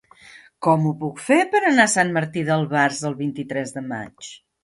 Com ho puc fer per anar a Sant Martí d'Albars el vint-i-tres de maig?